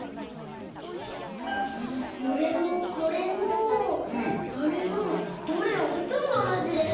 うんこれもこれもこれもどれもほとんどおなじです。